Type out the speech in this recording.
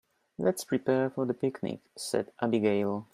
"Let's prepare for the picnic!", said Abigail.